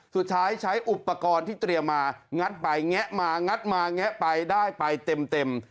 ใช้อุปกรณ์ที่เตรียมมางัดไปแงะมางัดมาแงะไปได้ไปเต็ม